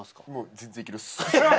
全然いけるっす。